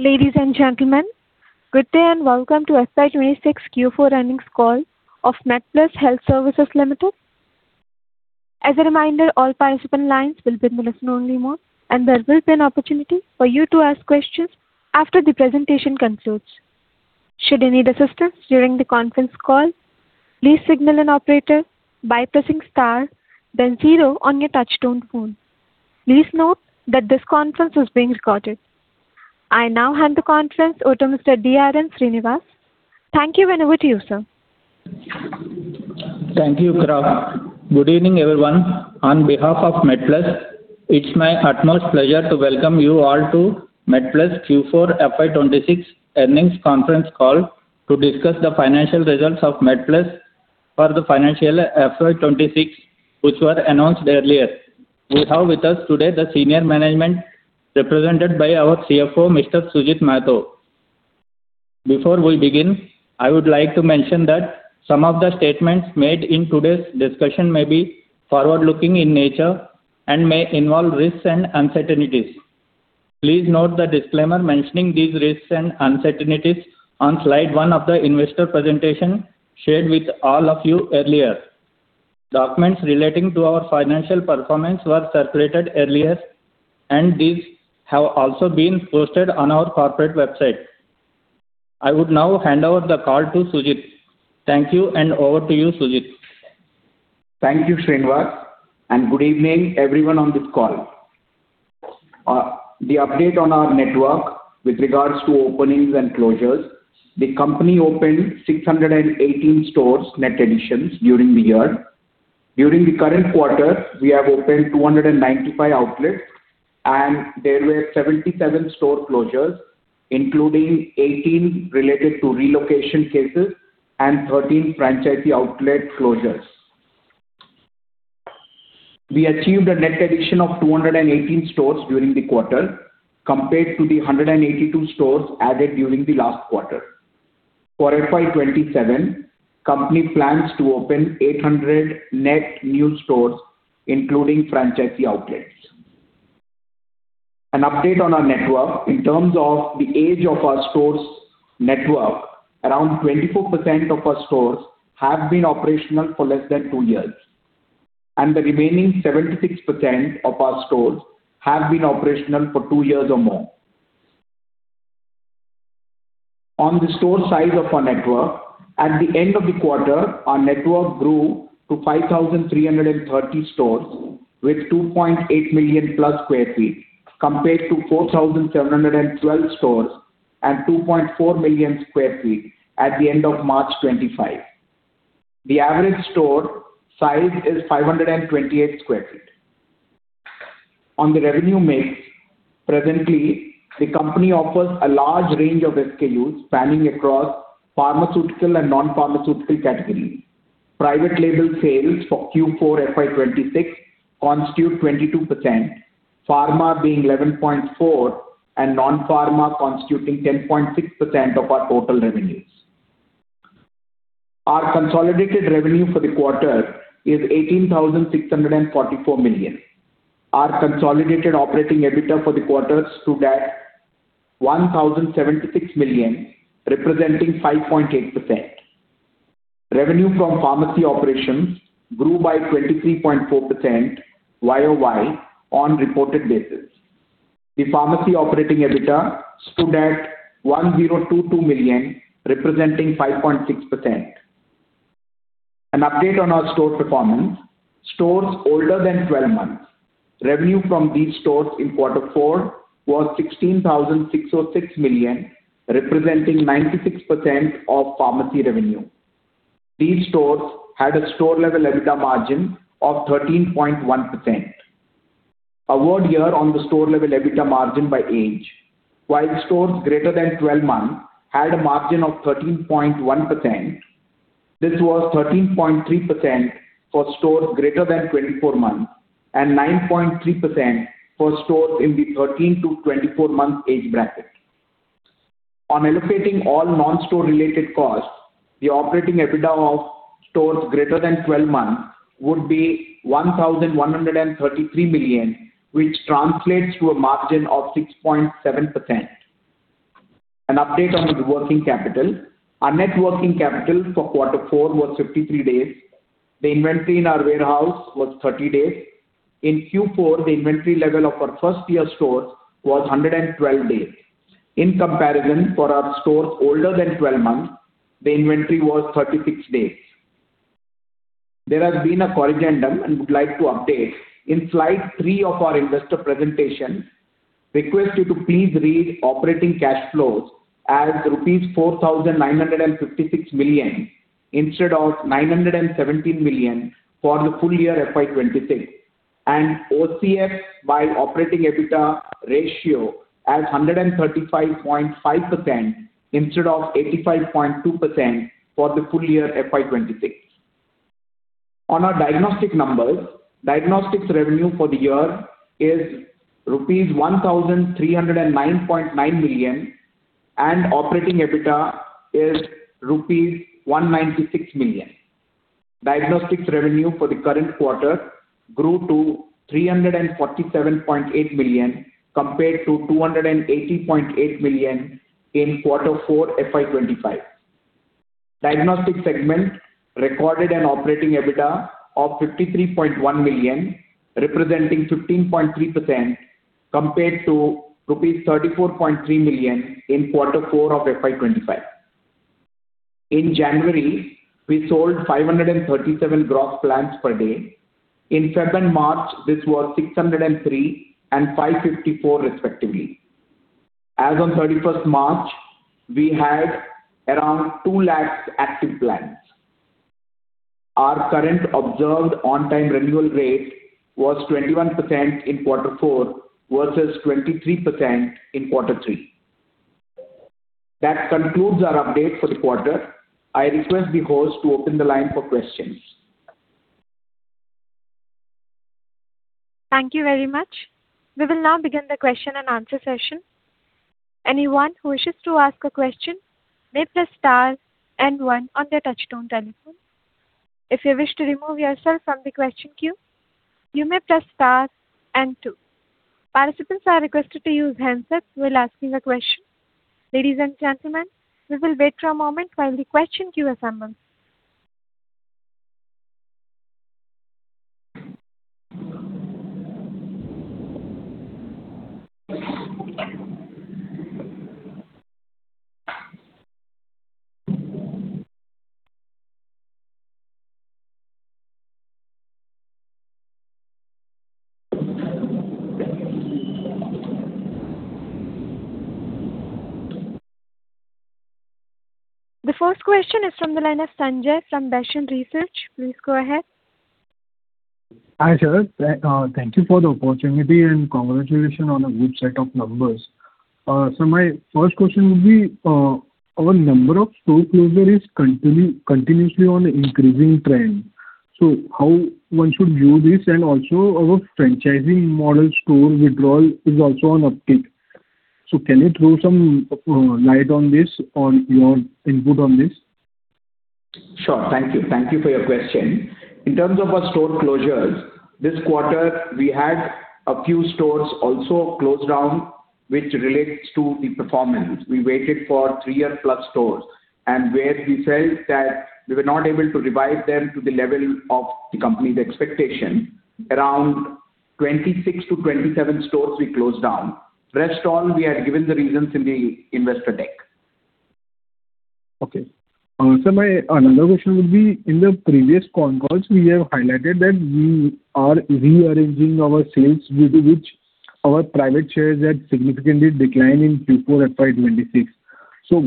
Ladies and gentlemen, good day and welcome to FY 2026 Q4 earnings call of MedPlus Health Services Limited. As a reminder all participants line has been on a listen only mode. There will be an opportunity for you to ask questions after the presentation concludes. Should you need assistance during the conference call please signal an operator by pressing star then zero on your touch-tone phone. Please note that this conference is being recorded. I now hand the conference over to Mr. DRN Srinivas. Thank you, and over to you, sir. Thank you, Kara. Good evening, everyone. On behalf of MedPlus, it's my utmost pleasure to welcome you all to MedPlus Q4 FY 2026 earnings conference call to discuss the financial results of MedPlus for the financial FY 2026, which were announced earlier. We have with us today the senior management represented by our CFO, Mr. Sujit Mahato. Before we begin, I would like to mention that some of the statements made in today's discussion may be forward-looking in nature and may involve risks and uncertainties. Please note the disclaimer mentioning these risks and uncertainties on slide one of the investor presentation shared with all of you earlier. Documents relating to our financial performance were circulated earlier. These have also been posted on our corporate website. I would now hand over the call to Sujit. Thank you, and over to you, Sujit. Thank you, Srinivas. Good evening everyone on this call. The update on our network with regards to openings and closures. The company opened 618 stores net additions during the year. During the current quarter, we have opened 295 outlets, there were 77 store closures, including 18 related to relocation cases and 13 franchisee outlet closures. We achieved a net addition of 218 stores during the quarter compared to the 182 stores added during the last quarter. For FY 2027, company plans to open 800 net new stores, including franchisee outlets. An update on our network. In terms of the age of our stores network, around 24% of our stores have been operational for less than two years, and the remaining 76% of our stores have been operational for two years or more. On the store size of our network. At the end of the quarter, our network grew to 5,330 stores with 2.8+ million sq ft compared to 4,712 stores and 2.4 million sq ft at the end of March 2025. The average store size is 528 sq ft. On the revenue mix. Presently, the company offers a large range of SKUs spanning across pharmaceutical and non-pharmaceutical categories. Private label sales for Q4 FY 2026 constitute 22%, pharma being 11.4% and non-pharma constituting 10.6% of our total revenues. Our consolidated revenue for the quarter is 18,644 million. Our consolidated operating EBITDA for the quarter stood at 1,076 million, representing 5.8%. Revenue from pharmacy operations grew by 23.4% YOY on reported basis. The pharmacy operating EBITDA stood at 1,022 million, representing 5.6%. An update on our store performance. Stores older than 12 months. Revenue from these stores in quarter four was 16,606 million, representing 96% of pharmacy revenue. These stores had a store-level EBITDA margin of 13.1%. A word here on the store-level EBITDA margin by age. While stores greater than 12 months had a margin of 13.1%, this was 13.3% for stores greater than 24 months and 9.3% for stores in the 13-24 month age bracket. On elevating all non-store related costs, the operating EBITDA of stores greater than 12 months would be 1,133 million, which translates to a margin of 6.7%. An update on our working capital. Our net working capital for quarter four was 53 days. The inventory in our warehouse was 30 days. In Q4, the inventory level of our first-year stores was 112 days. In comparison, for our stores older than 12 months, the inventory was 36 days. There has been a corrigendum, and would like to update. In slide three of our investor presentation, request you to please read operating cash flows as rupees 4,956 million instead of 917 million for the full year FY 2026 and OCF by operating EBITDA ratio as 135.5% instead of 85.2% for the full year FY 2026. On our diagnostic numbers. Diagnostics revenue for the year is rupees 1,309.9 million, and operating EBITDA is rupees 196 million. Diagnostics revenue for the current quarter grew to 347.8 million compared to 280.8 million in Q4 FY 2025. Diagnostics segment recorded an operating EBITDA of 53.1 million, representing 15.3%, compared to rupees 34.3 million in quarter four of FY 2025. In January, we sold 537 gross plans per day. In February and March, this was 603 and 554 respectively. As on March 31st, we had around 2 lakh active plans. Our current observed on-time renewal rate was 21% in quarter four versus 23% in quarter three. That concludes our update for the quarter. I request the host to open the line for questions. Thank you very much. We will now begin the question-and-answer session. Anyone who wishes to ask a question may press star and one on their touch-tone telephone. If you wish to remove yourself from the question queue, you may press star and two. Participants are requested to use handsets while asking a question. Ladies and gentlemen, we will wait for a moment while the question queue assembles. The first question is from the line of Sanjay from Bastion Research. Please go ahead. Hi, sir. Thank you for the opportunity, and congratulations on a good set of numbers. My first question would be, our number of store closures is continuously an increasing trend. How one should view this, and also our franchising model store withdrawal is also an uptick. Can you throw some light on this, on your input on this? Sure. Thank you. Thank you for your question. In terms of our store closures, this quarter, we had a few stores also closed down, which relates to the performance. We waited for three-year plus stores, and where we felt that we were not able to revive them to the level of the company's expectation. Around 26-27 stores we closed down. Rest all, we had given the reasons in the investor deck. Sir, my other question would be, in the previous concalls, we have highlighted that we are rearranging our sales due to which our private label shares had significantly declined in Q4 FY 2026.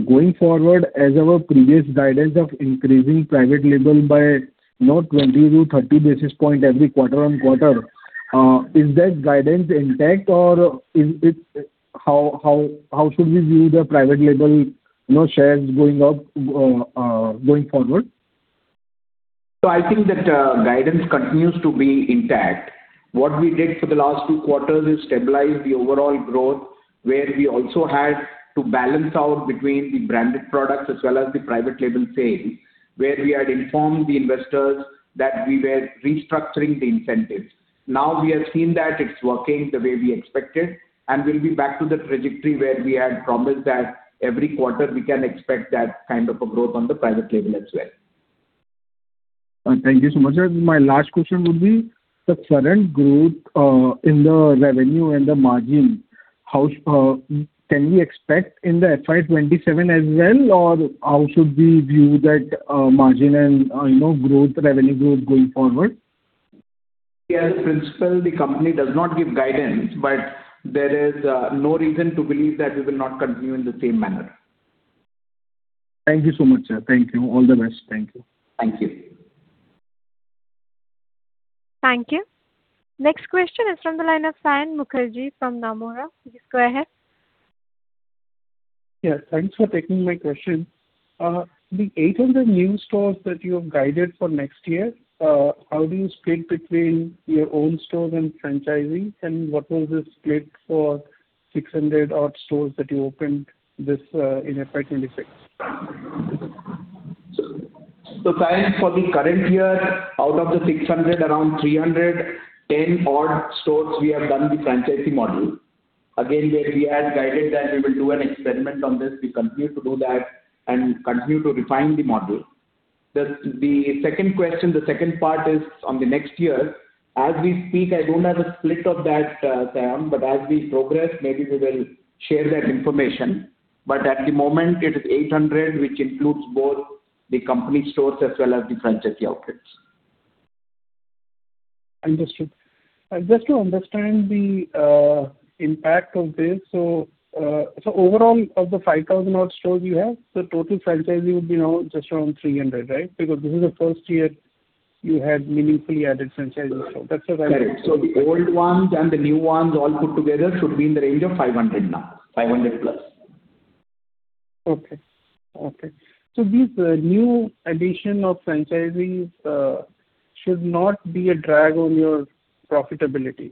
Going forward, as our previous guidance of increasing private label by now 20-30 basis points every quarter-on-quarter, is that guidance intact? How should we view the private label shares going up, going forward? I think that guidance continues to be intact. What we did for the last two quarters is stabilize the overall growth, where we also had to balance out between the branded products as well as the private label sales, where we had informed the investors that we were restructuring the incentives. We have seen that it's working the way we expected, and we'll be back to the trajectory where we had promised that every quarter we can expect that kind of a growth on the private label as well. Thank you so much, sir. My last question would be the current growth in the revenue and the margin. Can we expect in the FY 2027 as well, or how should we view that margin and revenue growth going forward? As principle, the company does not give guidance, but there is no reason to believe that we will not continue in the same manner. Thank you so much, sir. Thank you. All the best. Thank you. Thank you. Thank you. Next question is from the line of Saion Mukherjee from Nomura. Please go ahead. Yeah. Thanks for taking my question. The 800 new stores that you have guided for next year, how do you split between your own stores and franchising? What was the split for 600 odd stores that you opened in FY 2026? Saion, for the current year, out of the 600, around 310 odd stores, we have done the franchisee model. Where we had guided that we will do an experiment on this, we continue to do that and continue to refine the model. The second question, the second part is on the next year. As we speak, I don't have a split of that, Saion, but as we progress, maybe we will share that information. At the moment, it is 800, which includes both the company stores as well as the franchisee outlets. Understood. Just to understand the impact of this. Overall, of the 5,000 odd stores you have, the total franchisee would be now just around 300, right? Because this is the first year you had meaningfully added franchisees. Correct. The old ones and the new ones all put together should be in the range of 500 now. 500+. Okay. This new addition of franchisees should not be a drag on your profitability?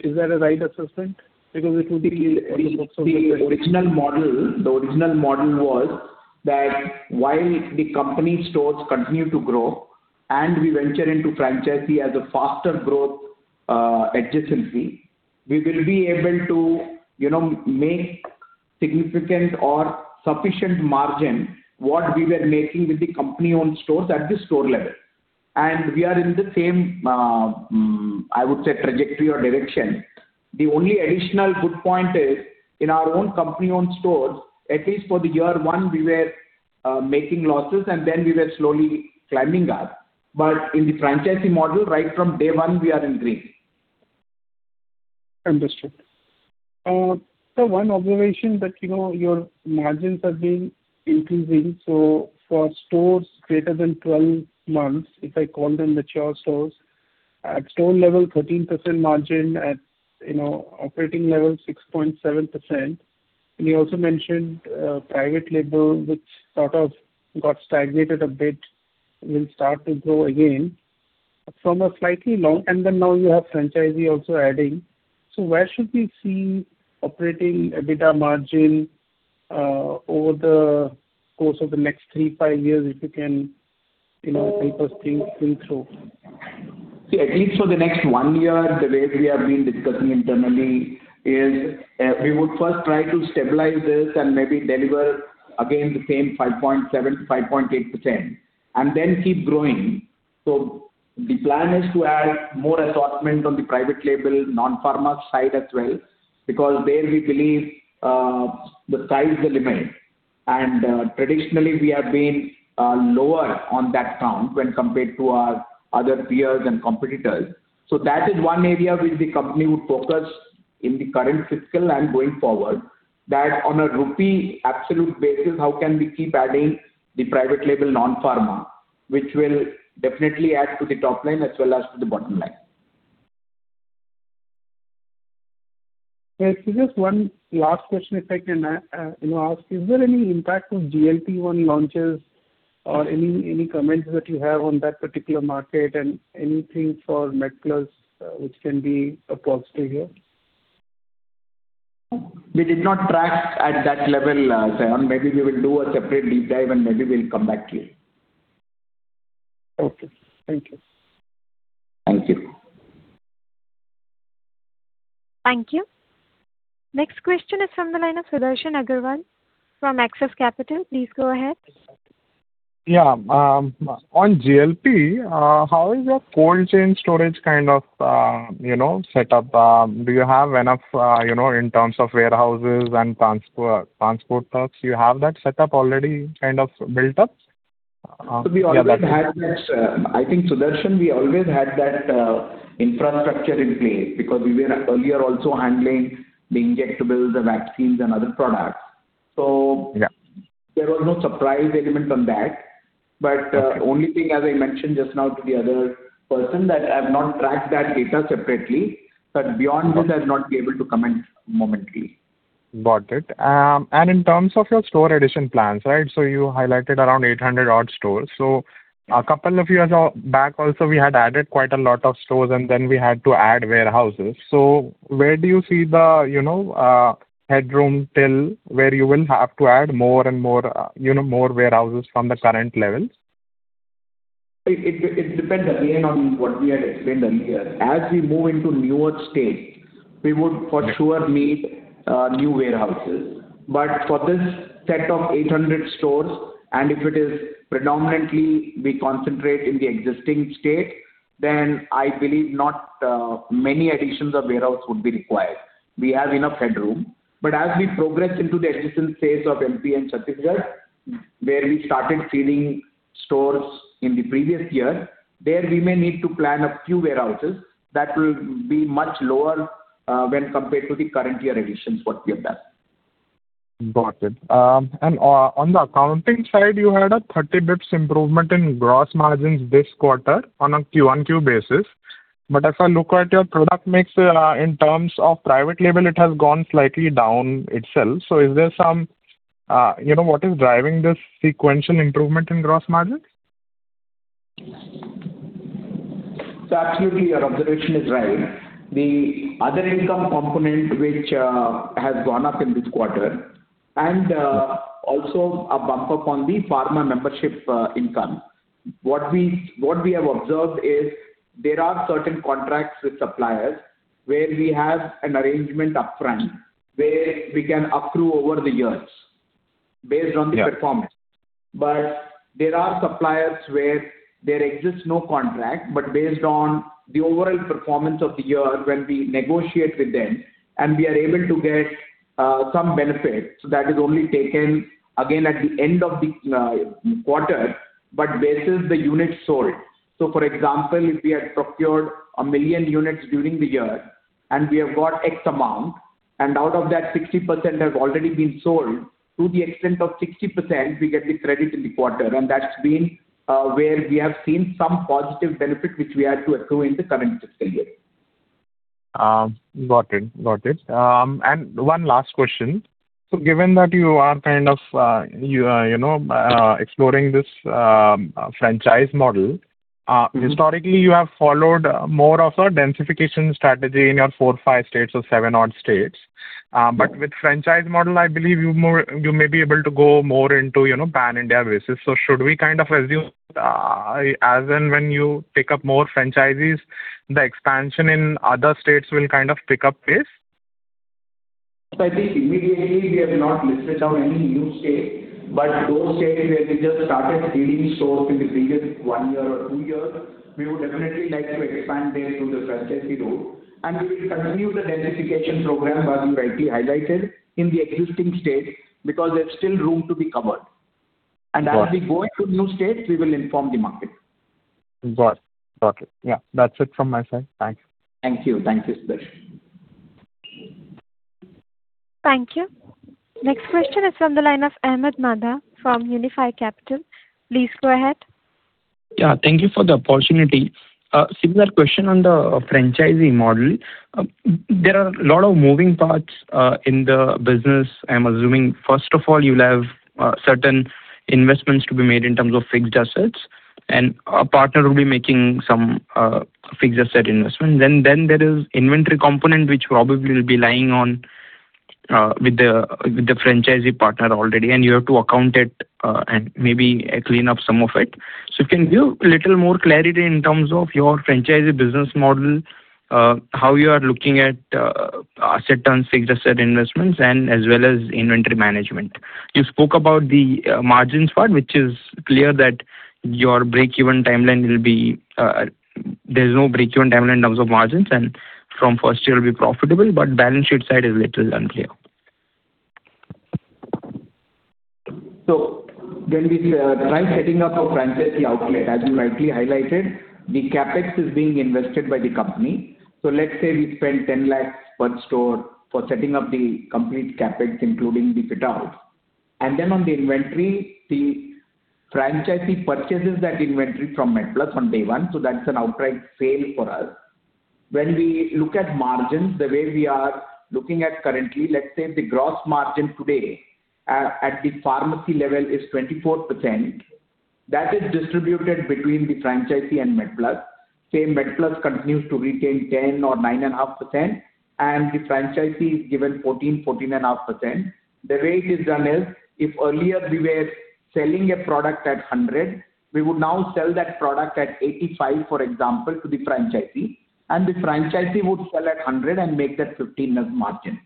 Is that a right assessment? The original model was that while the company stores continue to grow and we venture into franchisee as a faster growth adjacency, we will be able to make significant or sufficient margin, what we were making with the company-owned stores at the store level. We are in the same, I would say, trajectory or direction. The only additional good point is, in our own company-owned stores, at least for the year one, we were making losses, and then we were slowly climbing up. In the franchisee model, right from day one, we are in green. Understood. Sir, one observation that your margins have been increasing. For stores greater than 12 months, if I call them mature stores, at store level, 13% margin, at operating level 6.7%. You also mentioned private label, which sort of got stagnated a bit, will start to grow again. Then now you have franchisee also adding. Where should we see operating EBITDA margin over the course of the next three, five years, if you can help us think through? See, at least for the next one year, the way we have been discussing internally is, we would first try to stabilize this and maybe deliver again the same 5.7%-5.8%, and then keep growing. The plan is to add more assortment on the private label, non-pharma side as well, because there we believe the sky is the limit. Traditionally, we have been lower on that count when compared to our other peers and competitors. That is one area which the company would focus in the current fiscal and going forward, that on a rupee absolute basis, how can we keep adding the private label non-pharma, which will definitely add to the top line as well as to the bottom line. Yes. Just one last question, if I can ask. Is there any impact on GLP-1 launches or any comments that you have on that particular market and anything for MedPlus which can be approached here? We did not track at that level, Saion. Maybe we will do a separate deep dive, and maybe we will come back to you. Okay. Thank you. Thank you. Thank you. Next question is from the line of Sudarshan Agarwal from Axis Capital. Please go ahead. Yeah. On GLP, how is your cold chain storage kind of setup? Do you have enough in terms of warehouses and transport trucks? Do you have that setup already kind of built up? I think, Sudarshan, we always had that infrastructure in place because we were earlier also handling the injectables, the vaccines, and other products. Yeah there was no surprise element on that. Okay only thing, as I mentioned just now to the other person, that I've not tracked that data separately. Beyond this, I'll not be able to comment momentarily. Got it. In terms of your store addition plans, right? You highlighted around 800 odd stores. A couple of years back also, we had added quite a lot of stores, and then we had to add warehouses. Where do you see the headroom till where you will have to add more and more warehouses from the current levels? It depends again on what we had explained earlier. As we move into newer states, we would for sure need new warehouses. For this set of 800 stores, and if it is predominantly we concentrate in the existing state, then I believe not many additions of warehouse would be required. We have enough headroom. As we progress into the adjacent states of MP and Chhattisgarh, where we started seeding stores in the previous year, there we may need to plan a few warehouses that will be much lower when compared to the current year additions what we have done. Got it. On the accounting side, you had a 30 basis points improvement in gross margins this quarter on a QoQ basis. As I look at your product mix in terms of private label, it has gone slightly down itself. What is driving this sequential improvement in gross margin? Absolutely, your observation is right. The other income component, which has gone up in this quarter, and also a bump up on the pharma membership income. What we have observed is there are certain contracts with suppliers where we have an arrangement upfront where we can accrue over the years based on the- Yeah performance. There are suppliers where there exists no contract, but based on the overall performance of the year, when we negotiate with them, and we are able to get some benefit, that is only taken again at the end of the quarter, but versus the units sold. For example, if we had procured a million units during the year, and we have got X amount, and out of that 60% has already been sold, to the extent of 60%, we get the credit in the quarter. That's been where we have seen some positive benefit, which we had to accrue in the current fiscal year. Got it. One last question. Given that you are kind of exploring this franchise model, historically, you have followed more of a densification strategy in your four, five states or seven odd states. With franchise model, I believe you may be able to go more into pan-India basis. Should we assume, as and when you take up more franchises, the expansion in other states will pick up pace? I think immediately we have not listed down any new state, but those states where we just started seeding stores in the previous one year or two years, we would definitely like to expand there through the franchisee route. We will continue the densification program, as you rightly highlighted, in the existing states, because there's still room to be covered. Got it. As we go into new states, we will inform the market. Got it. Yeah. That's it from my side. Thanks. Thank you. Thanks, Sudarshan. Thank you. Next question is from the line of Ahmed Madha from Unifi Capital. Please go ahead. Yeah. Thank you for the opportunity. Similar question on the franchisee model. There are a lot of moving parts in the business. I'm assuming, first of all, you'll have certain investments to be made in terms of fixed assets, and a partner will be making some fixed asset investment. There is inventory component which probably will be lying on with the franchisee partner already, and you have to account it, and maybe clean up some of it. Can you give a little more clarity in terms of your franchisee business model, how you are looking at asset and fixed asset investments and as well as inventory management. You spoke about the margins part, which is clear that there's no breakeven time in terms of margins, and from first year it'll be profitable, balance sheet side is a little unclear. When we try setting up a franchisee outlet, as you rightly highlighted, the CapEx is being invested by the company. Let's say we spend 10 lakhs per store for setting up the complete CapEx, including the fit-outs. Then on the inventory, the franchisee purchases that inventory from MedPlus on day one. That's an outright sale for us. When we look at margins, the way we are looking at currently, let's say the gross margin today at the pharmacy level is 24%. That is distributed between the franchisee and MedPlus. Say MedPlus continues to retain 10% or 9.5%, and the franchisee is given 14%, 14.5%. The way it is done is, if earlier we were selling a product at 100, we would now sell that product at 85, for example, to the franchisee, and the franchisee would sell at 100 and make that 15 as margin.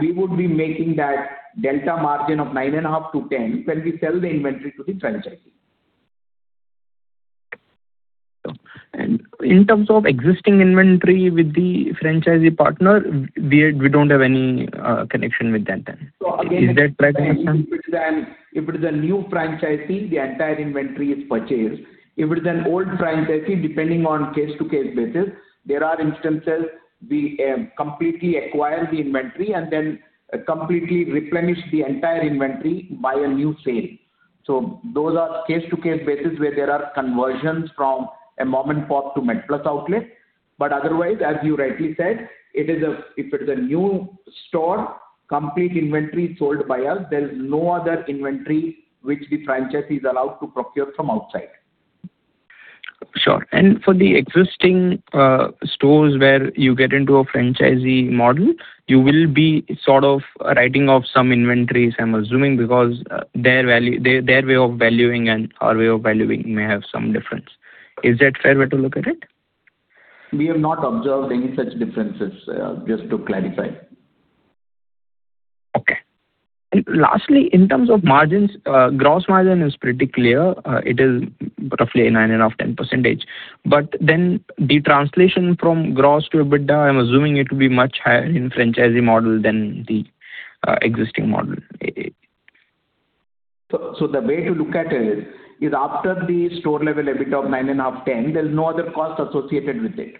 We would be making that delta margin of 9.5%-10% when we sell the inventory to the franchisee. In terms of existing inventory with the franchisee partner, we don't have any connection with that then. Is that correct assumption? Again, if it is a new franchisee, the entire inventory is purchased. If it is an old franchisee, depending on case to case basis, there are instances we completely acquire the inventory and then completely replenish the entire inventory by a new sale. Those are case to case basis where there are conversions from a mom and pop to MedPlus outlet. Otherwise, as you rightly said, if it is a new store, complete inventory is sold by us. There's no other inventory which the franchisee is allowed to procure from outside. Sure. For the existing stores where you get into a franchisee model, you will be sort of writing off some inventories, I am assuming, because their way of valuing and our way of valuing may have some difference. Is that fair way to look at it? We have not observed any such differences. Just to clarify. Okay. Lastly, in terms of margins, gross margin is pretty clear. It is roughly 9.5%, 10%. The translation from gross to EBITDA, I'm assuming it will be much higher in franchisee model than the existing model. The way to look at it is after the store level EBITDA of 9.5%-10%, there's no other cost associated with it.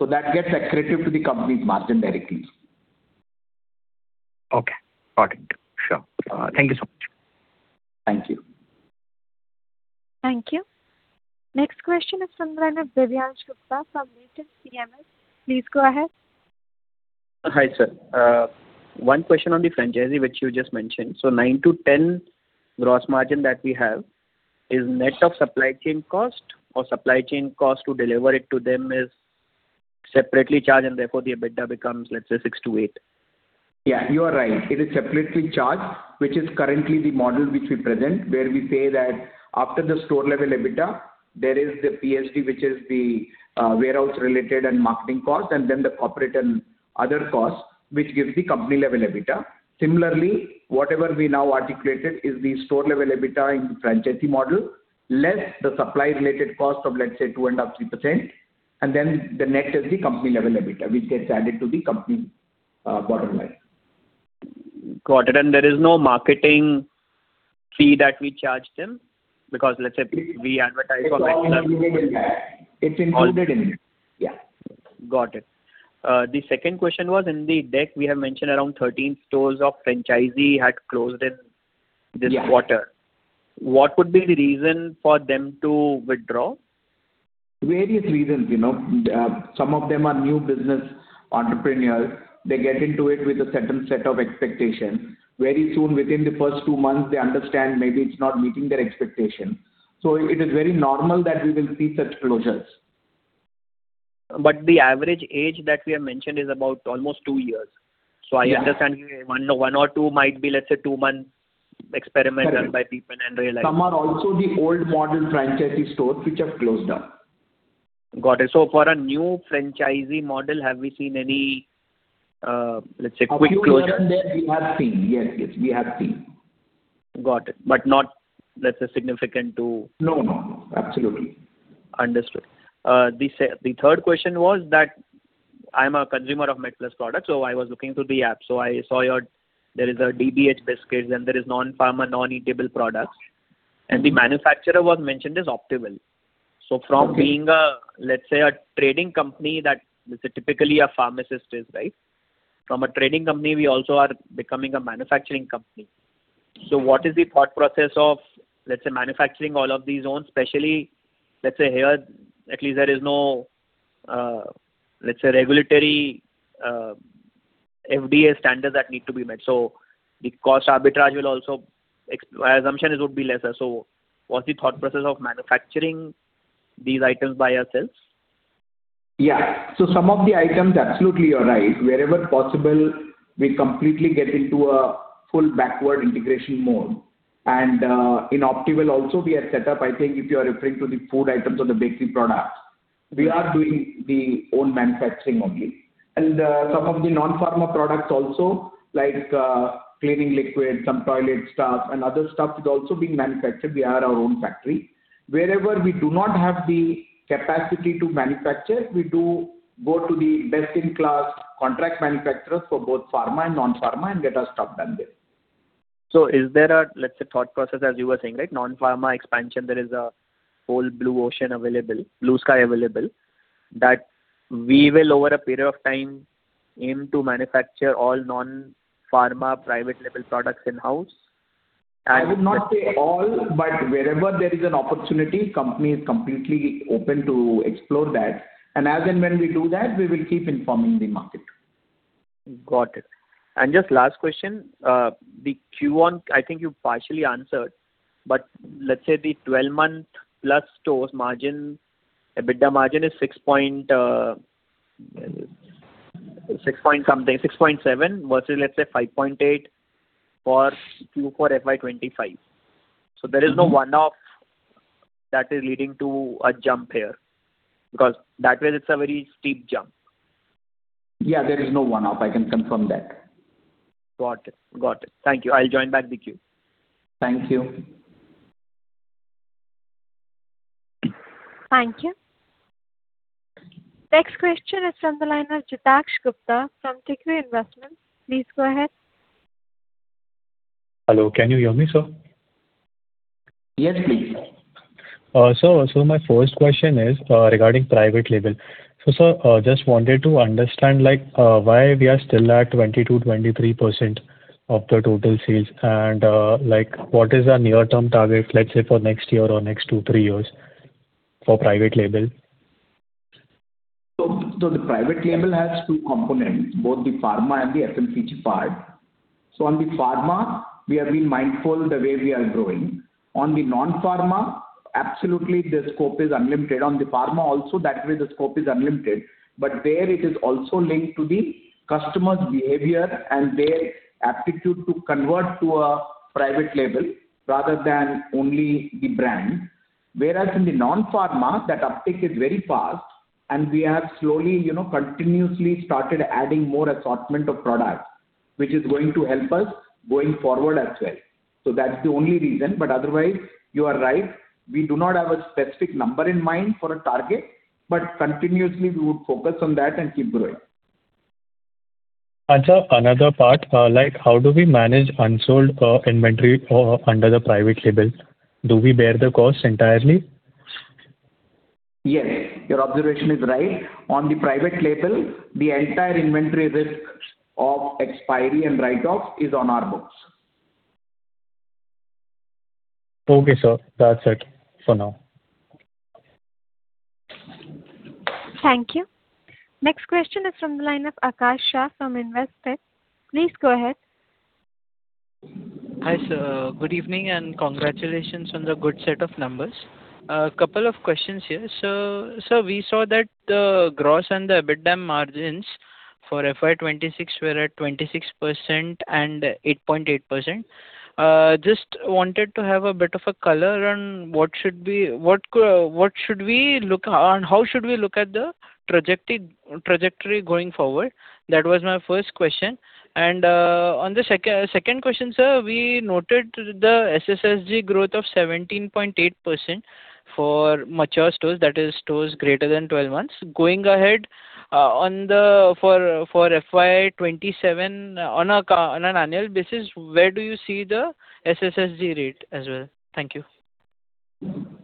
That gets accretive to the company's margin directly. Okay. Got it. Sure. Thank you so much. Thank you. Thank you. Next question is from the line of Divyansh Gupta from Latent PMS. Please go ahead. Hi, sir. One question on the franchisee, which you just mentioned. 9%-10% gross margin that we have is net of supply chain cost or supply chain cost to deliver it to them is separately charged, and therefore the EBITDA becomes, let's say, 6%-8%? Yeah, you are right. It is separately charged, which is currently the model which we present, where we say that after the store level EBITDA, there is the PSD, which is the warehouse related and marketing cost, and then the corporate and other costs, which gives the company level EBITDA. Similarly, whatever we now articulated is the store level EBITDA in franchisee model, less the supply related cost of, let's say, 2.5%-3%, and then the net is the company level EBITDA, which gets added to the company bottom line. Got it. There is no marketing fee that we charge them because let's say we advertise for MedPlus. It's all included in that. It's included in it. All- Yeah. Got it. The second question was, in the deck we have mentioned around 13 stores of franchisee had closed in this quarter. Yeah. What would be the reason for them to withdraw? Various reasons. Some of them are new business entrepreneurs. They get into it with a certain set of expectations. Very soon, within the first two months, they understand maybe it's not meeting their expectations. It is very normal that we will see such closures. The average age that we have mentioned is about almost two years. Yeah. I understand one or two might be, let's say, two-month experiment run. Correct by people and realize. Some are also the old model franchisee stores, which have closed down. Got it. For a new franchisee model, have we seen any, let's say, quick closure? A few here and there we have seen. Yes. We have seen. Got it. Not, let's say, significant to- No. Absolutely. Understood. The third question was that I'm a consumer of MedPlus products, so I was looking through the app. I saw there is a DBH biscuits and there is non-pharma, non-edible products. The manufacturer was mentioned as Optival. From being, let's say, a trading company that, let's say, typically a pharmacist is, right? From a trading company, we also are becoming a manufacturing company. What is the thought process of, let's say, manufacturing all of these on, specially, let's say, here, at least there is no, let's say, regulatory FDA standards that need to be met. The cost arbitrage will also My assumption is it would be lesser. What's the thought process of manufacturing these items by ourselves? Yeah. Some of the items, absolutely, you're right. Wherever possible, we completely get into a full backward integration mode. In Optival also we have set up, I think if you are referring to the food items or the bakery products. We are doing the own manufacturing only. Some of the non-pharma products also, like cleaning liquid, some toilet stuff, and other stuff is also being manufactured. We have our own factory. Wherever we do not have the capacity to manufacture, we do go to the best-in-class contract manufacturers for both pharma and non-pharma and get our stuff done there. Is there a, let's say, thought process, as you were saying, right? Non-pharma expansion, there is a whole blue ocean available, blue sky available, that we will over a period of time aim to manufacture all non-pharma private label products in-house. I would not say all, but wherever there is an opportunity, company is completely open to explore that. As and when we do that, we will keep informing the market. Got it. Just last question. The Q1, I think you partially answered. Let's say the 12-month-plus stores margin, EBITDA margin is six point something, 6.7, versus, let's say, 5.8 for Q4 FY 2025. There is no one-off that is leading to a jump here. That way it's a very steep jump. Yeah, there is no one-off, I can confirm that. Got it. Thank you. I'll join back the queue. Thank you. Thank you. Next question is from the line of Jitesh Gupta from [Tikwi Investments]. Please go ahead. Hello, can you hear me, sir? Yes, please. My first question is regarding private label. Sir, just wanted to understand why we are still at 22%-23% of the total sales, and what is the near-term target, let's say, for next year or next two, three years for private label? The private label has two components, both the pharma and the FMCG part. On the pharma, we are being mindful the way we are growing. On the non-pharma, absolutely the scope is unlimited. On the pharma also that way the scope is unlimited. There it is also linked to the customer's behavior and their aptitude to convert to a private label rather than only the brand. In the non-pharma, that uptick is very fast, and we have slowly, continuously started adding more assortment of products. Which is going to help us going forward as well. That's the only reason. Otherwise, you are right. We do not have a specific number in mind for a target. Continuously we would focus on that and keep growing. Sir, another part. How do we manage unsold inventory under the private label? Do we bear the cost entirely? Yes, your observation is right. On the private label, the entire inventory risk of expiry and write-off is on our books. Okay, sir. That's it for now. Thank you. Next question is from the line of Akash Shah from Investec. Please go ahead. Hi, sir. Good evening, and congratulations on the good set of numbers. A couple of questions here. Sir, we saw that the gross and the EBITDA margins for FY 2026 were at 26% and 8.8%. Just wanted to have a bit of a color on how should we look at the trajectory going forward. That was my first question. On the second question, sir, we noted the SSSG growth of 17.8% for mature stores, that is stores greater than 12 months. Going ahead, for FY 2027 on an annual basis, where do you see the SSSG rate as well? Thank you.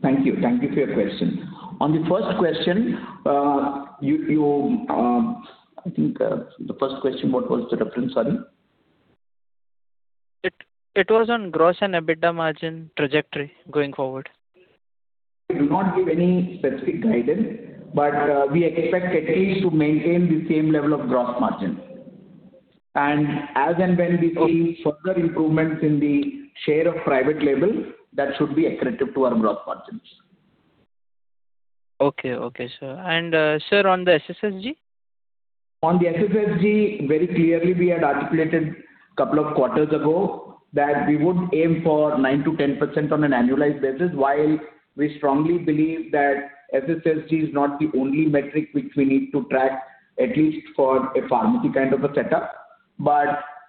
Thank you. Thank you for your question. On the first question, I think, what was the reference, sorry? It was on gross and EBITDA margin trajectory going forward. We do not give any specific guidance, but we expect at least to maintain the same level of gross margin. As and when we see further improvements in the share of private label, that should be accretive to our gross margins. Okay, sir. Sir, on the SSSG? On the SSSG, very clearly we had articulated a couple of quarters ago that we would aim for 9%-10% on an annualized basis, while we strongly believe that SSSG is not the only metric which we need to track, at least for a pharmacy kind of a setup.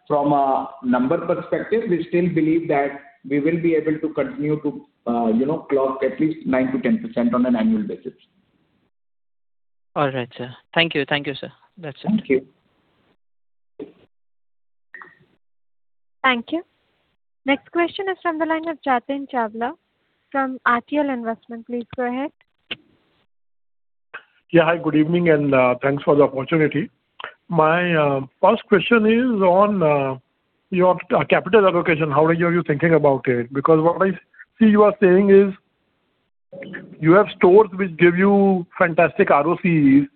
From a number perspective, we still believe that we will be able to continue to clock at least 9%-10% on an annual basis. All right, sir. Thank you, sir. That's it. Thank you. Thank you. Next question is from the line of Jatin Chawla from RTL Investments. Please go ahead. Yeah, hi, good evening. Thanks for the opportunity. My first question is on your capital allocation. How are you thinking about it? What I see you are saying is you have stores which give you fantastic ROCEs,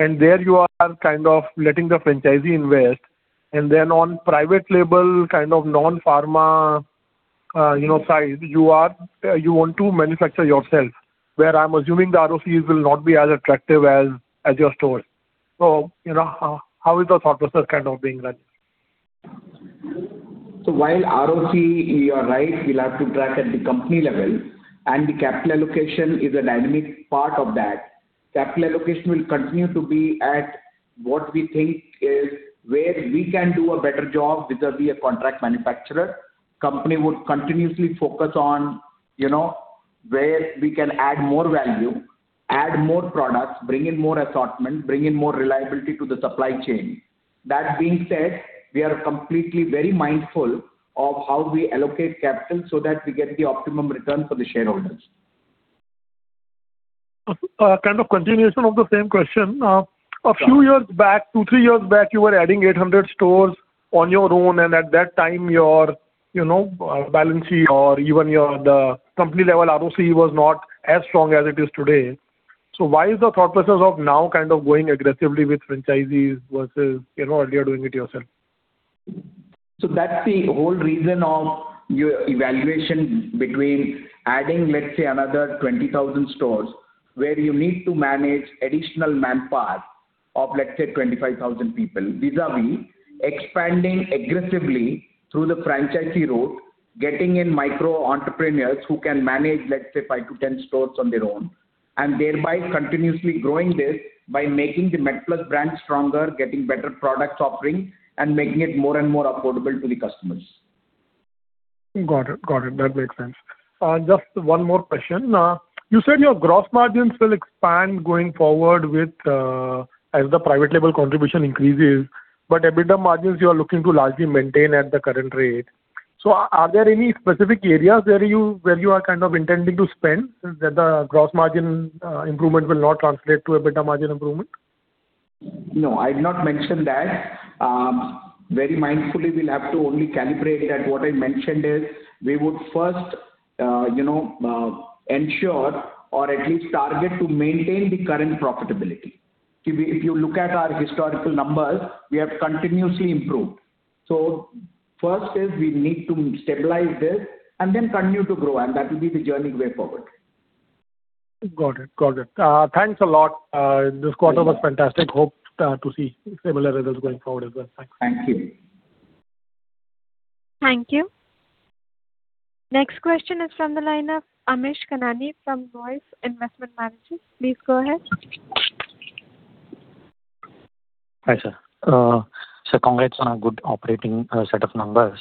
and there you are kind of letting the franchisee invest, and then on private label, kind of non-pharma side, you want to manufacture yourself, where I'm assuming the ROCEs will not be as attractive as your stores. How is the thought process kind of being run? While ROCE, you are right, we'll have to track at the company level, and the capital allocation is a dynamic part of that. Capital allocation will continue to be at what we think is where we can do a better job vis-a-vis a contract manufacturer. Company would continuously focus on where we can add more value, add more products, bring in more assortment, bring in more reliability to the supply chain. That being said, we are completely very mindful of how we allocate capital so that we get the optimum return for the shareholders. A kind of continuation of the same question. Yeah. A few years back, two, three years back, you were adding 800 stores on your own, and at that time, your balance sheet or even your company-level ROCE was not as strong as it is today. Why is the thought process of now kind of going aggressively with franchisees versus earlier doing it yourself? That's the whole reason of your evaluation between adding, let's say, another 20,000 stores, where you need to manage additional manpower of, let's say, 25,000 people, vis-a-vis expanding aggressively through the franchisee route, getting in micro entrepreneurs who can manage, let's say, five to 10 stores on their own, and thereby continuously growing this by making the MedPlus brand stronger, getting better product offerings, and making it more and more affordable to the customers. Got it. That makes sense. Just one more question. You said your gross margins will expand going forward as the private label contribution increases, but EBITDA margins you are looking to largely maintain at the current rate. Are there any specific areas where you are kind of intending to spend so that the gross margin improvement will not translate to EBITDA margin improvement? No, I did not mention that. Very mindfully, we'll have to only calibrate that. What I mentioned is we would first ensure or at least target to maintain the current profitability. If you look at our historical numbers, we have continuously improved. First is we need to stabilize this and then continue to grow, and that will be the journey way forward. Got it. Thanks a lot. This quarter was fantastic. Hope to see similar results going forward as well. Thanks. Thank you. Thank you. Next question is from the line of Amish Kanani from Knowise Investment Managers. Please go ahead. Hi, sir. Sir, congrats on a good operating set of numbers.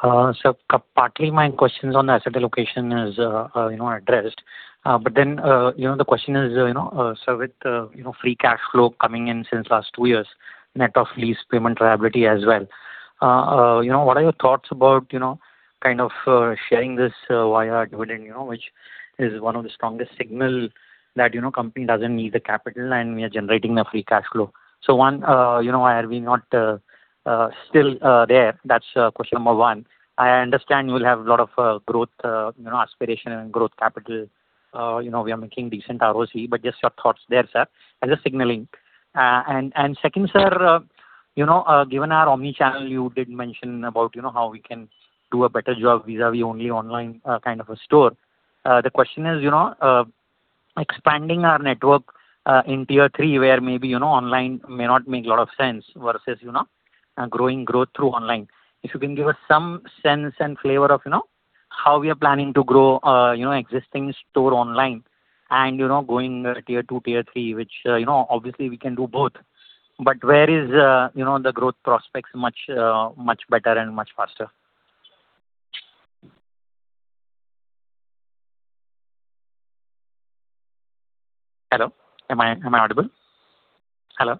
Sir, partly my questions on asset allocation is addressed. The question is, sir, with free cash flow coming in since last two years, net of lease payment liability as well. What are your thoughts about kind of sharing this via dividend, which is one of the strongest signals that company doesn't need the capital and we are generating the free cash flow. One, why are we not still there? That's question number one. I understand you'll have a lot of growth aspiration and growth capital. We are making decent ROCE, but just your thoughts there, sir, as a signaling. Second, sir, given our omni-channel, you did mention about how we can do a better job vis-a-vis only online kind of a store. The question is, expanding our network in Tier-3 where maybe online may not make a lot of sense versus growing growth through online. If you can give us some sense and flavor of how we are planning to grow existing store online and going Tier-2, Tier-3, which obviously we can do both. Where is the growth prospects much better and much faster? Hello, am I audible? Hello.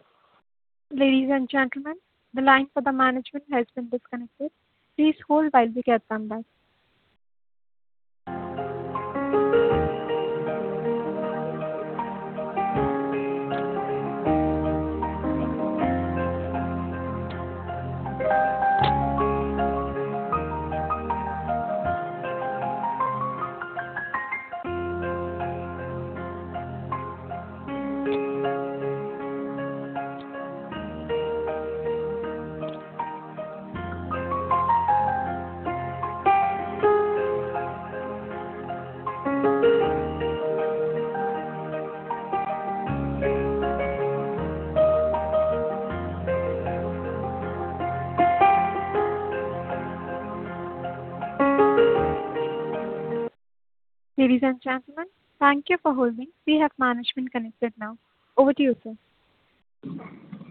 Ladies and gentlemen, thank you for holding. We have management connected now. Over to you, sir.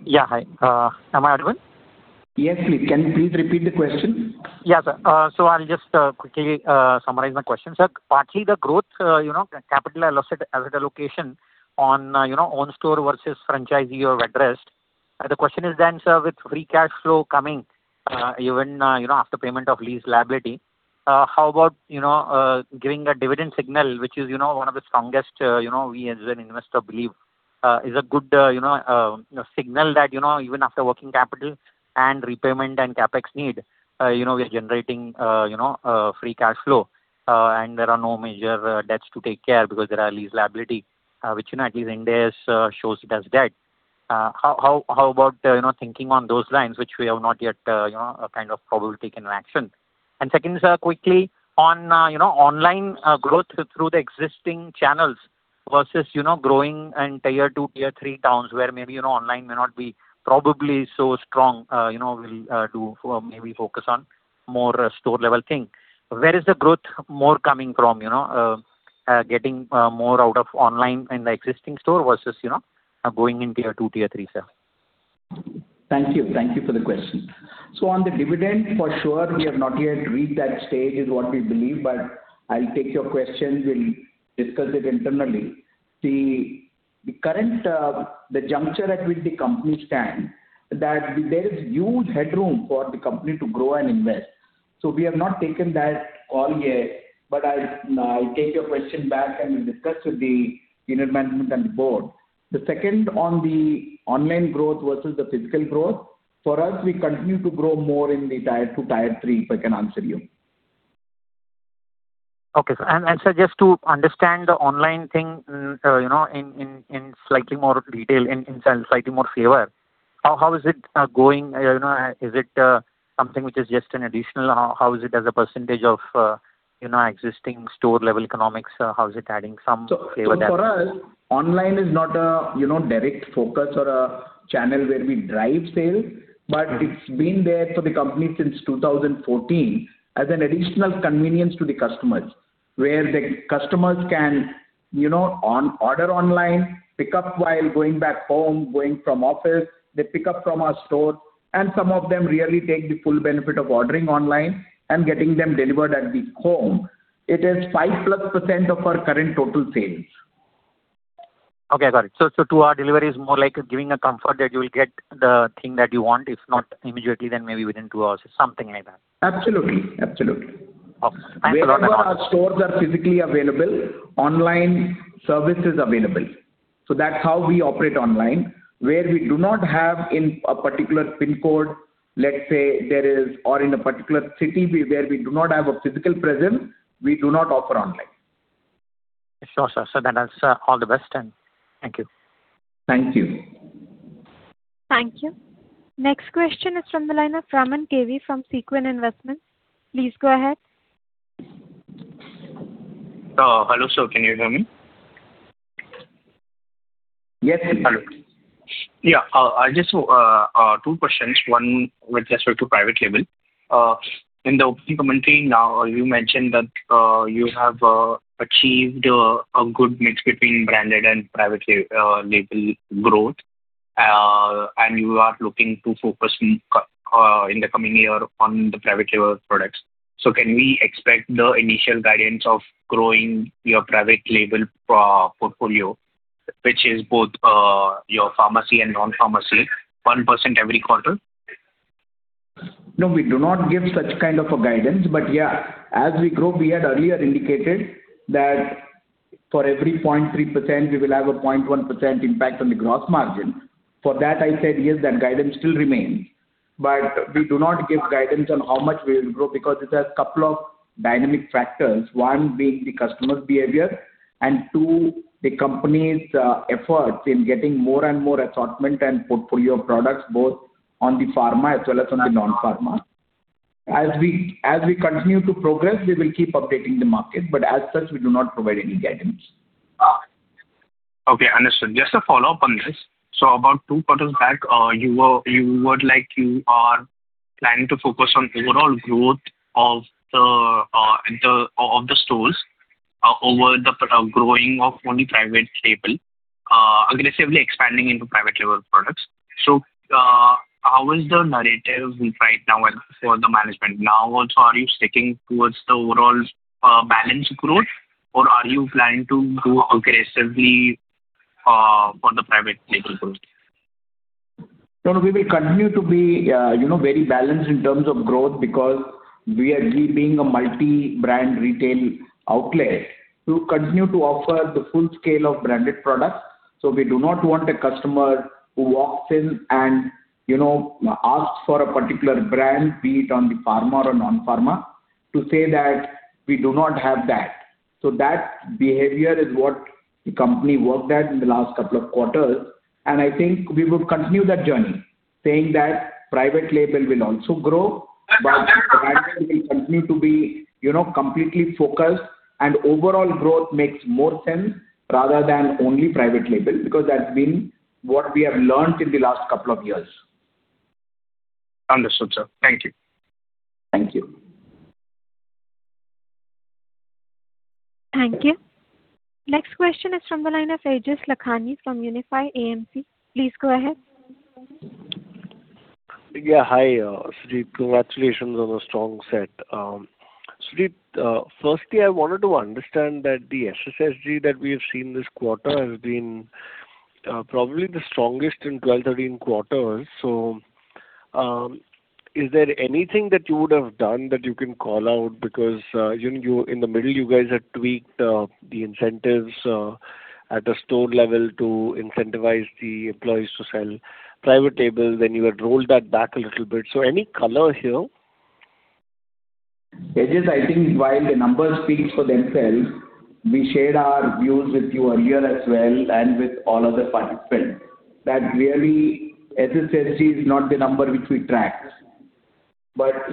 Yeah, hi. Am I audible? Yes. Can you please repeat the question? Yeah, sir. I'll just quickly summarize my question. Sir, partly the growth, capital asset allocation on own store versus franchisee you have addressed. The question is then, sir, with free cash flow coming even after payment of lease liability, how about giving a dividend signal, which is one of the strongest we as an investor believe is a good signal that even after working capital and repayment and CapEx need, we are generating free cash flow, and there are no major debts to take care because there are lease liability, which at least India shows it as debt. How about thinking on those lines, which we have not yet probably taken an action? Second, sir, quickly on online growth through the existing channels versus growing in Tier-2, Tier-3 towns where maybe online may not be probably so strong, will do maybe focus on more store level thing? Where is the growth more coming from, getting more out of online and the existing store versus going in Tier-2, Tier-3, sir? Thank you for the question. On the dividend, for sure, we have not yet reached that stage is what we believe, but I'll take your question. We'll discuss it internally. The juncture at which the company stand, that there is huge headroom for the company to grow and invest. We have not taken that call yet, but I'll take your question back, and we'll discuss with the unit management and the board. The second on the online growth versus the physical growth. For us, we continue to grow more in the Tier-2, Tier-3, if I can answer you. Okay, sir. Sir, just to understand the online thing in slightly more detail, in slightly more favor, how is it going? Is it something which is just an additional? How is it as a percentage of existing store level economics? How is it adding some flavor there? For us, online is not a direct focus or a channel where we drive sales, but it's been there for the company since 2014 as an additional convenience to the customers. Where the customers can order online, pick up while going back home, going from office, they pick up from our store, and some of them really take the full benefit of ordering online and getting them delivered at the home. It is 5%+ of our current total sales. Okay, got it. Two-hour delivery is more like giving a comfort that you will get the thing that you want, if not immediately, then maybe within two hours, something like that. Absolutely. Okay. Wherever our stores are physically available, online service is available. That's how we operate online. Where we do not have in a particular PIN code, let's say there is, or in a particular city where we do not have a physical presence, we do not offer online. Sure, sir. sir, all the best, and thank you. Thank you. Thank you. Next question is from the line of Raman KV from Sequent Investments. Please go ahead. Hello, sir. Can you hear me? Yes. Hello. Yeah. Just two questions, one with respect to private label. In the opening commentary now, you mentioned that you have achieved a good mix between branded and private label growth. You are looking to focus in the coming year on the private label products. Can we expect the initial guidance of growing your private label portfolio, which is both your pharmacy and non-pharmacy, 1% every quarter? No, we do not give such kind of a guidance. Yeah, as we grow, we had earlier indicated that for every 0.3%, we will have a 0.1% impact on the gross margin. For that, I said, yes, that guidance still remains. We do not give guidance on how much we will grow because it has couple of dynamic factors. One being the customer's behavior, and two, the company's efforts in getting more and more assortment and portfolio products, both on the pharma as well as on the non-pharma. As we continue to progress, we will keep updating the market. As such, we do not provide any guidance. Okay, understood. Just a follow-up on this. About two quarters back, you are planning to focus on overall growth of the stores over the growing of only private label, aggressively expanding into private label products. How is the narrative right now for the management? Now also, are you sticking towards the overall balanced growth, or are you planning to grow aggressively for the private label growth? No, we will continue to be very balanced in terms of growth because we are keeping a multi-brand retail outlet to continue to offer the full scale of branded products. We do not want a customer who walks in and asks for a particular brand, be it on the pharma or non-pharma. To say that we do not have that. That behavior is what the company worked at in the last couple of quarters, and I think we will continue that journey, saying that private label will also grow, but the franchise will continue to be completely focused and overall growth makes more sense rather than only private label, because that's been what we have learned in the last couple of years. Understood, sir. Thank you. Thank you. Thank you. Next question is from the line of Aejas Lakhani from Unifi AMC. Please go ahead. Yeah. Hi, Sujit. Congratulations on the strong set. Sujit, firstly, I wanted to understand that the SSSG that we have seen this quarter has been probably the strongest in 12, 13 quarters. Is there anything that you would have done that you can call out? Because in the middle, you guys had tweaked the incentives at the store level to incentivize the employees to sell private labels, then you had rolled that back a little bit. Any color here? Aejas, I think while the numbers speak for themselves, we shared our views with you earlier as well, and with all other participants, that really SSSG is not the number which we track.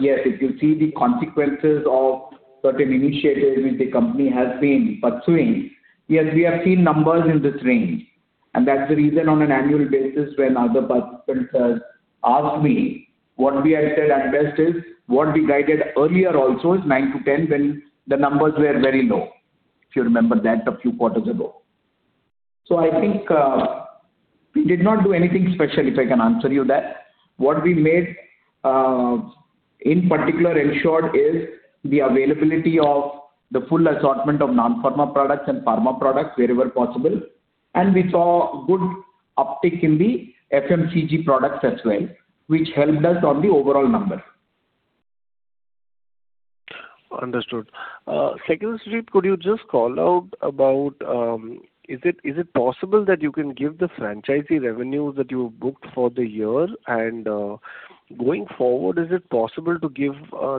Yes, if you see the consequences of certain initiatives which the company has been pursuing, yes, we have seen numbers in this range. That's the reason on an annual basis, when other participants ask me, what we have said at best is what we guided earlier also is 9-10, when the numbers were very low, if you remember that a few quarters ago. I think we did not do anything special, if I can answer you that. What we made, in particular, ensured is the availability of the full assortment of non-pharma products and pharma products wherever possible. We saw good uptick in the FMCG products as well, which helped us on the overall number. Understood. Secondly, Sujit, could you just call out about, is it possible that you can give the franchisee revenue that you've booked for the year? Going forward, is it possible to give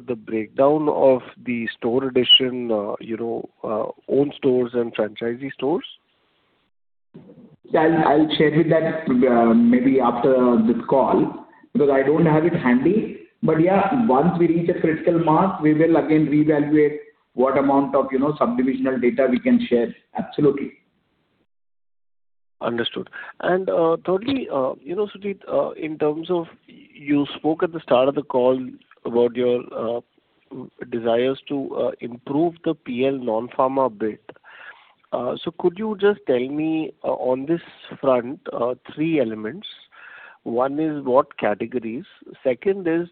the breakdown of the store addition, own stores and franchisee stores? I'll share with that maybe after this call, because I don't have it handy. Yeah, once we reach a critical mass, we will again reevaluate what amount of subdivision data we can share. Absolutely. Understood. thirdly, Sujit, in terms of, you spoke at the start of the call about your desires to improve the PL non-pharma bit. could you just tell me on this front, three elements. One is, what categories? Second is,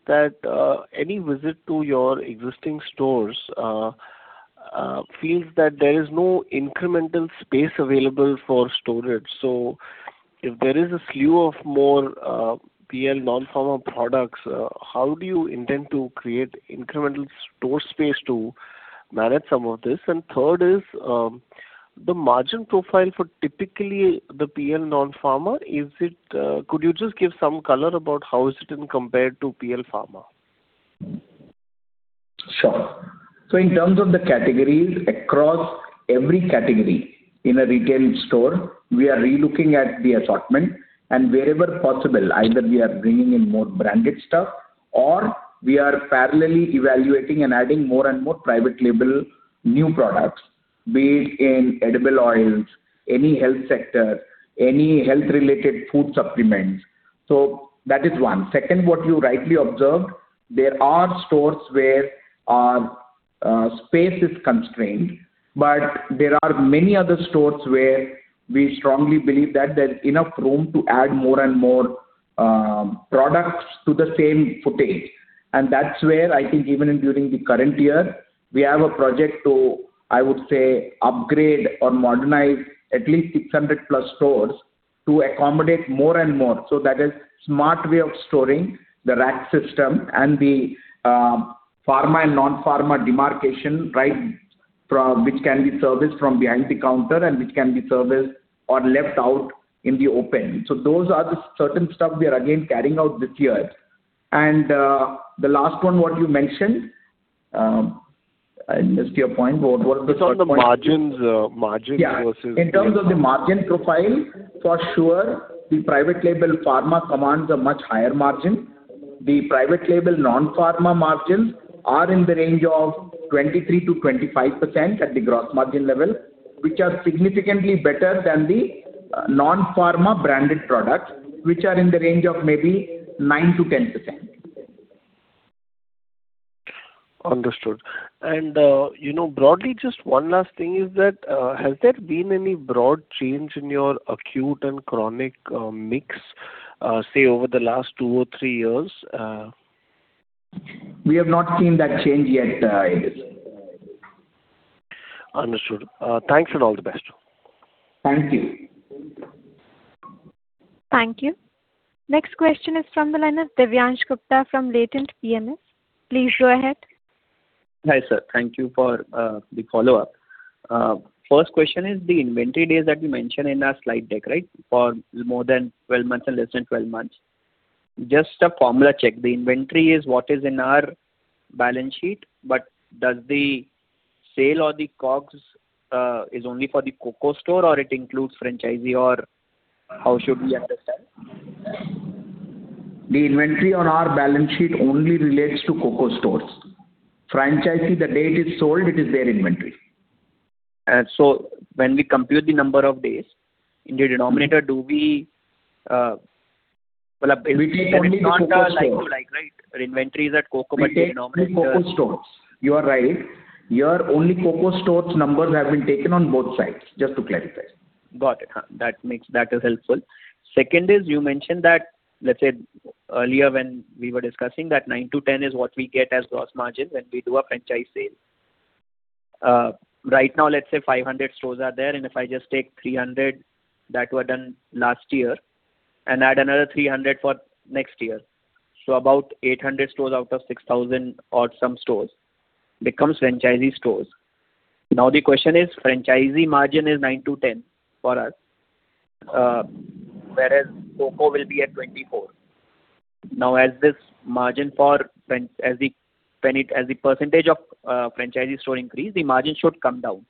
any visit to your existing stores feels that there is no incremental space available for storage. if there is a slew of more PL non-pharma products, how do you intend to create incremental store space to manage some of this? Third is, the margin profile for typically the PL non-pharma, could you just give some color about how is it compared to PL pharma? Sure. In terms of the categories, across every category in a retail store, we are relooking at the assortment, and wherever possible, either we are bringing in more branded stuff, or we are parallelly evaluating and adding more and more private label new products, be it in edible oils, any health sector, any health-related food supplements. That is one. Second, what you rightly observed, there are stores where our space is constrained, but there are many other stores where we strongly believe that there's enough room to add more and more products to the same footage. That's where I think even during the current year, we have a project to, I would say, upgrade or modernize at least 600+ stores to accommodate more and more. That is smart way of storing the rack system and the pharma and non-pharma demarcation, which can be serviced from behind the counter and which can be serviced or left out in the open. Those are the certain stuff we are again carrying out this year. The last one, what you mentioned, I missed your point. What was the third point? It's on the margins versus. Yeah. In terms of the margin profile, for sure, the private label pharma commands a much higher margin. The private label non-pharma margins are in the range of 23%-25% at the gross margin level, which are significantly better than the non-pharma branded products, which are in the range of maybe 9%-10%. Understood. Broadly, just one last thing is that, has there been any broad change in your acute and chronic mix, say, over the last two or three years? We have not seen that change yet, Aejas. Understood. Thanks and all the best. Thank you. Thank you. Next question is from the line of Divyansh Gupta from Latent PMS. Please go ahead. Hi, sir. Thank you for the follow-up. First question is the inventory days that we mentioned in our slide deck, for more than 12 months and less than 12 months. Just a formula check. The inventory is what is in our balance sheet, but does the sale or the COGS is only for the COCO store or it includes franchisee, or how should we understand? The inventory on our balance sheet only relates to COCO stores. Franchisee, the day it is sold, it is their inventory. When we compute the number of days in the denominator, do we. We take only COCO stores. It's not like to like, right? Our inventory is at COCO, but the denominator. We take only COCO stores. You are right. Here, only COCO stores numbers have been taken on both sides, just to clarify. Got it. That is helpful. Second is, you mentioned that, let's say earlier when we were discussing that 9-10 is what we get as gross margin when we do a franchise sale. Right now, let's say 500 stores are there, and if I just take 300 that were done last year and add another 300 for next year. About 800 stores out of 6,000 odd some stores becomes franchisee stores. Now the question is, franchisee margin is 9-10 for us, whereas COCO will be at 24. Now as the percentage of franchisee store increase, the margin should come down.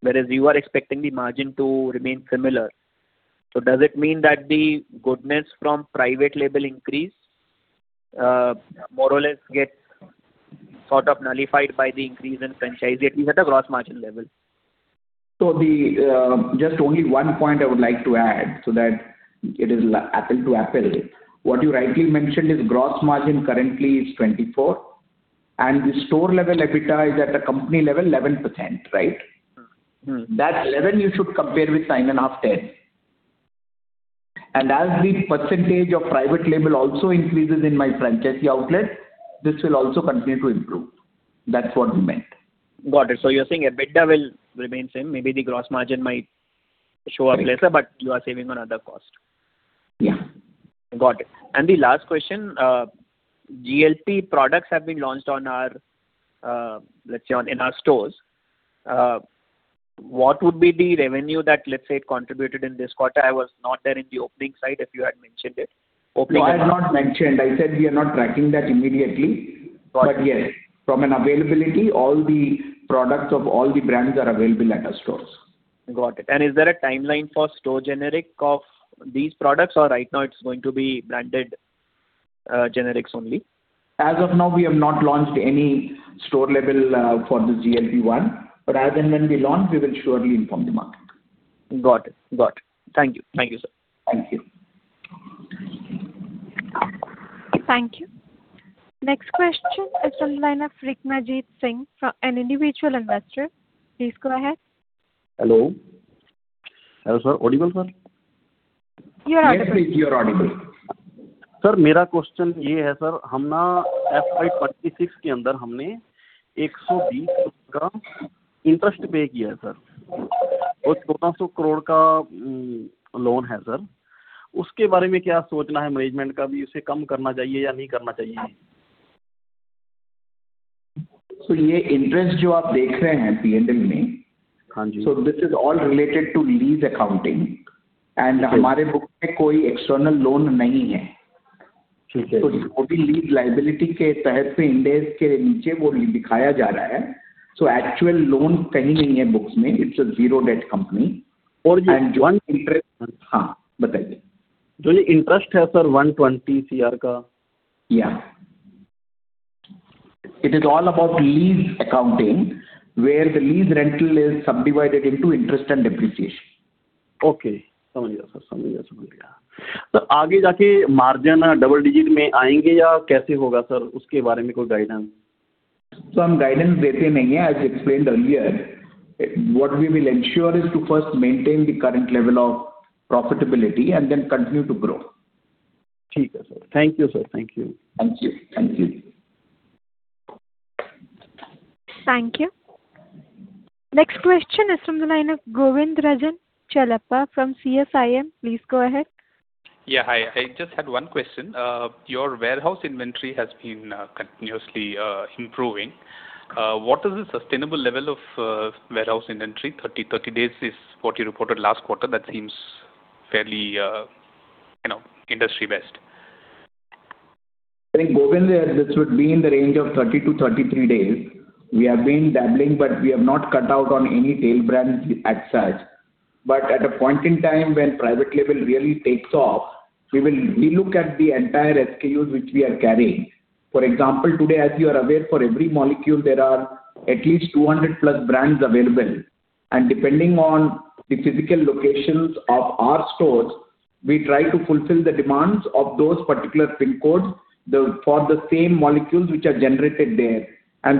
Whereas you are expecting the margin to remain similar. Does it mean that the goodness from private label increase, more or less gets sort of nullified by the increase in franchisee, at least at a gross margin level? Just only one point I would like to add so that it is apple to apple. What you rightly mentioned is gross margin currently is 24, and the store level EBITDA is at a company level 11%, right? That 11 you should compare with 9.5, 10. As the percentage of private label also increases in my franchisee outlet, this will also continue to improve. That's what we meant. Got it. You're saying EBITDA will remain same. Maybe the gross margin might show up lesser, but you are saving on other cost. Yeah. Got it. The last question, GLP products have been launched in our stores. What would be the revenue that, let's say, it contributed in this quarter? I was not there in the opening side if you had mentioned it. No, I have not mentioned. I said we are not tracking that immediately. Got it. Yes, from an availability, all the products of all the brands are available at our stores. Got it. Is there a timeline for store generic of these products, or right now it's going to be branded generics only? As of now, we have not launched any store label for the GLP-1. As and when we launch, we will surely inform the market. Got it. Thank you, sir. Thank you. Thank you. Next question is on the line of Bikramjit Singh from An Individual Investor. Please go ahead. Hello. Hello, sir. Audible, sir? You're audible. Yes, sir. You're audible. Sir, my question is this. In FY 2026, we paid INR 120 as interest, sir. There is a loan of INR 2,200 crore, sir. What does the management think about it? Should it be reduced or not? This interest that you are seeing in P&L. Yes. This is all related to lease accounting, and there is no external loan in our books. Okay. That is being shown under lease liability under Ind AS. The actual loan is not there anywhere in the books. It's a zero debt company. One interest. Yes, tell me. This interest, sir, of INR 120 cr. Yeah. It is all about lease accounting, where the lease rental is subdivided into interest and depreciation. Okay. Understood, sir. Moving forward, will the margins come in double digits, or how will it be, sir? Any guidance on that? Sir, we do not give guidance, as explained earlier. What we will ensure is to first maintain the current level of profitability and then continue to grow. Okay, sir. Thank you, sir. Thank you. Thank you. Next question is from the line of Govindarajan Chellappa from CSIM. Please go ahead. Yeah. Hi. I just had one question. Your warehouse inventory has been continuously improving. What is the sustainable level of warehouse inventory? 30 days is what you reported last quarter. That seems fairly industry best. I think, Govind, this would be in the range of 30-33 days. We have been dabbling, but we have not cut out on any tail brands as such. At a point in time when private label really takes off, we will relook at the entire SKUs which we are carrying. For example, today, as you are aware, for every molecule, there are at least 200+ brands available. Depending on the physical locations of our stores, we try to fulfill the demands of those particular pin codes for the same molecules which are generated there.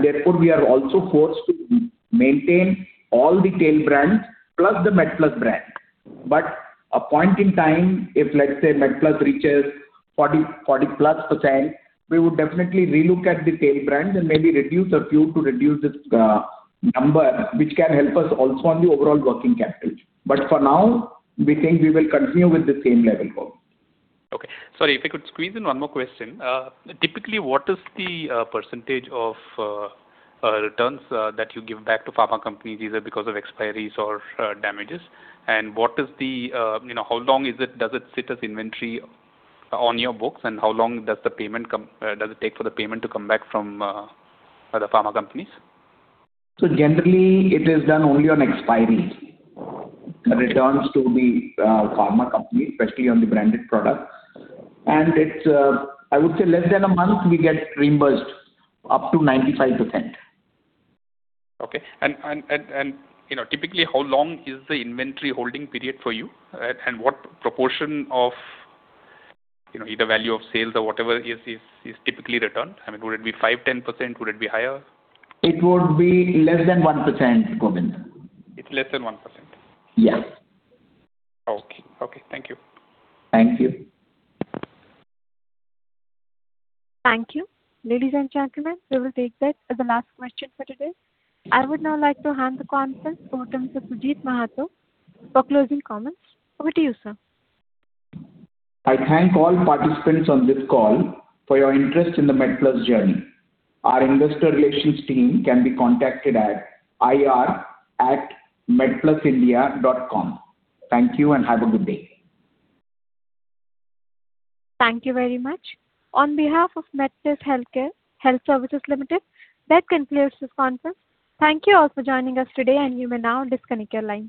Therefore, we are also forced to maintain all the tail brands plus the MedPlus brand. A point in time, if, let's say, MedPlus reaches 40%+, we would definitely relook at the tail brands and maybe reduce a few to reduce its number, which can help us also on the overall working capital. For now, we think we will continue with the same level, Govind. Okay. Sorry, if I could squeeze in one more question. Typically, what is the percentage of returns that you give back to pharma companies, either because of expiries or damages? How long does it sit as inventory on your books, and how long does it take for the payment to come back from the pharma companies? Generally, it is done only on expiry. The returns to the pharma company, especially on the branded products. I would say less than a month, we get reimbursed up to 95%. Okay. Typically, how long is the inventory holding period for you? What proportion of either value of sales or whatever is typically returned? I mean, would it be 5%, 10%? Would it be higher? It would be less than 1%, Govind. It's less than 1%? Yes. Okay. Thank you. Thank you. Thank you. Ladies and gentlemen, we will take that as the last question for today. I would now like to hand the conference over to Mr. Sujit Mahato for closing comments. Over to you, sir. I thank all participants on this call for your interest in the MedPlus journey. Our investor relations team can be contacted at ir@medplusindia.com. Thank you and have a good day. Thank you very much. On behalf of MedPlus Health Services Limited, that concludes this conference. Thank you all for joining us today, and you may now disconnect your lines.